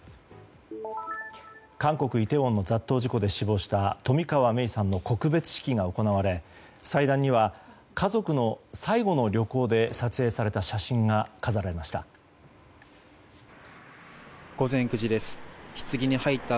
韓国イテウォンの雑踏事故で死亡した冨川芽生さんの告別式が行われ祭壇には家族の最後の旅行で撮影された写真が飾られました。